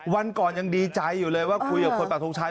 วันก่อนยังดีใจอยู่เลยว่าคุยกับคนปากทงชัย